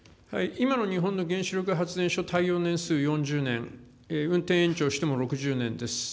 今の日本の原子力発電所、耐用年数４０年、運転延長しても６０年です。